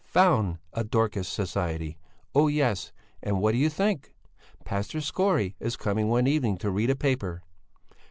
"Found a Dorcas Society! Oh, yes, and what d'you think? Pastor Skore is coming one evening to read a paper."